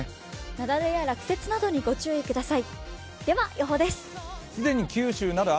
雪崩や落雪などにご注意ください。